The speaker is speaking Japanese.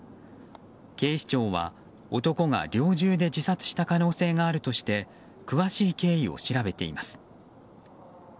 警視庁は、男が猟銃で自殺した可能性があるとして詳しい経緯を調べています。